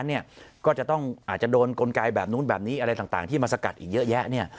ก็อาจจะต้องโดนกลไกแบบนู้นแบบนี้อะไรต่างที่มาสกัดอีกเยอะแยะ